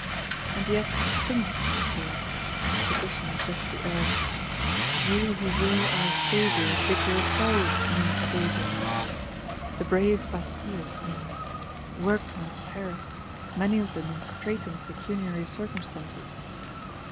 'And yet think, Messieurs,' as the Petitioner justly urged, 'you who were our saviours, did yourselves need saviours,'—the brave Bastillers, namely; workmen of Paris; many of them in straightened pecuniary circumstances!